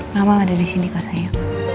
mama enggak ada di sini kak sayu